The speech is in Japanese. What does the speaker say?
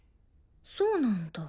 そうなんだ。